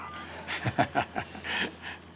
ハハハハッ。